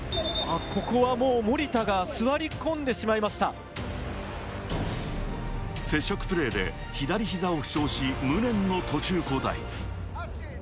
ここは森田が座り込んで接触プレーで左膝を負傷し、無念の途中交代。